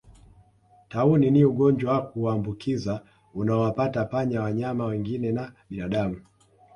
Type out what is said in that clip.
Tauni ni ugonjwa wa kuambukiza unaowapata panya wanyama wengine na binadamu